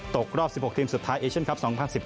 ตกรอบ๑๖ทีมสุดท้ายเอเชียนคลับ๒๐๑๘